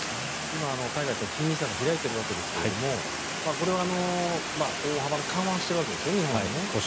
今、海外との金利差が開いているわけですがこれは大幅な緩和をしているわけですよね。